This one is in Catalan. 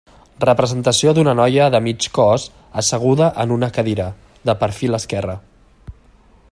Representació d'una noia de mig cos, asseguda en una cadira, de perfil esquerre.